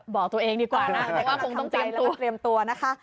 บอกตัวเองดีกว่าว่าคงต้องเตรียมตัว